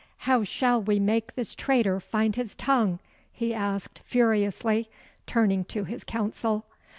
'How shall we make this traitor find his tongue?' he asked furiously, turning to his council.